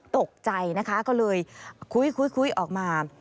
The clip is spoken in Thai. ตกใจนะคะก็เลยคุยออกมา